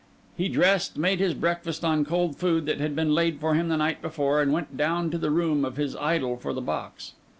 He dressed, made his breakfast on cold food that had been laid for him the night before; and went down to the room of his idol for the box.